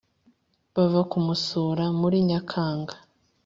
bava kumusura muri Nyakanga